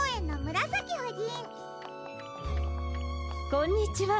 こんにちは。